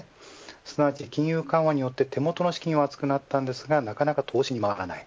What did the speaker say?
すなわち金融緩和によって手元の資金は厚くなっていますがなかなか投資に回らない。